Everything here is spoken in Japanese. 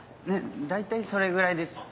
大体それぐらいですよね。